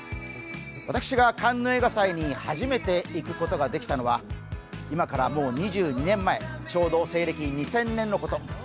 私がカンヌ映画祭に初めて行くことができたのは今からもう２２年前、ちょうど西暦２０００年のこと。